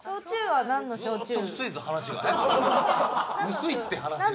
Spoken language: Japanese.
薄いって話が。